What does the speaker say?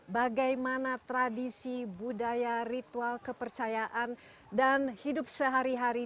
bagaimana tradisi budaya ritual kepercayaan dan hidup sehari hari